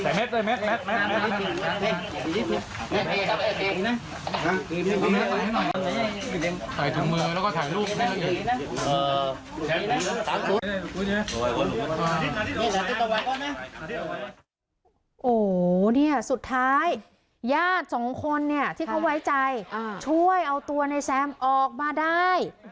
โอ้โหเนี่ยสุดท้ายญาติสองคนเนี่ยที่เขาไว้ใจช่วยเอาตัวในแซมออกมาได้